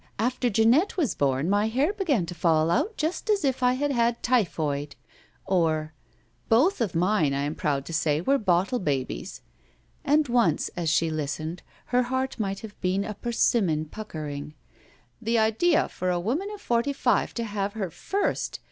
After Jeanette was bom my hair began to fall out just as if I had had typhoid"; or, "Both of mine, I am proud to say, were bottle babies"; and once, as she listened, her heart might have been a persimmon, puckering: "The idea for a woman of forty five to have her first!